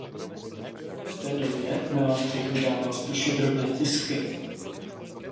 V té době Melantrich vydával spíše drobné tisky.